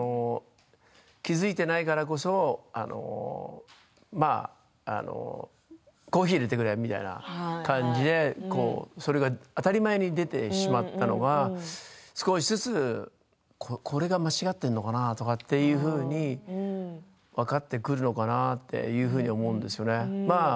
気付いていないからこそコーヒーをいれてくれみたいな感じでそれが当たり前に出てしまったのが少しずつ、これが間違っているのかなというふうに分かってくるのかなっていうふうに思うんですよね。